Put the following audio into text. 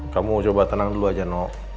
kamu coba tenang dulu aja no